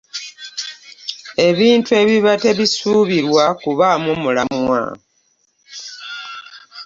Ebintu ebiba tebisubirwa kubaamu mulamwa .